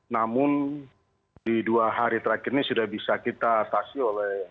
namun di dua hari terakhir ini sudah bisa kita atasi oleh